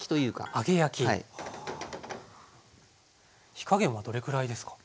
火加減はどれくらいですか？